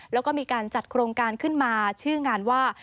แล้วก็มีการจัดโครงการขึ้นมาชื่องานว่า